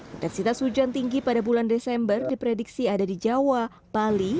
intensitas hujan tinggi pada bulan desember diprediksi ada di jawa bali